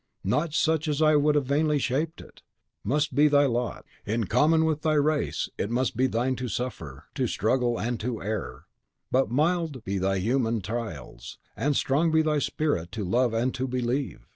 Not such as I would have vainly shaped it, must be thy lot. In common with thy race, it must be thine to suffer, to struggle, and to err. But mild be thy human trials, and strong be thy spirit to love and to believe!